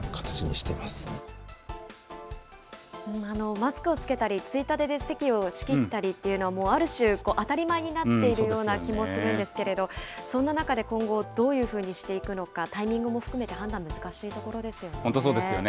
マスクを着けたりついたてで席を仕切ったりっていうのは、もうある種、当たり前になっているような気もするんですけれど、そんな中で今後、どういうふうにしていくのか、タイミングも含めて本当そうですよね。